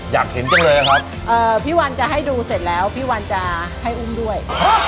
อยากเห็นจังเลยครับพี่วันจะให้ดูเสร็จแล้วพี่วันจะให้อุ้มด้วย